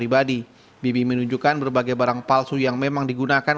bibi menunjukkan berbagai barang palsu yang memang digunakan